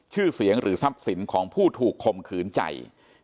ชื่อเสียงหรือทรัพย์สินของผู้ถูกคมขืนใจ